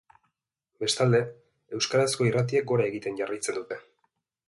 Bestalde, euskarazko irratiek gora egiten jarraitzen dute.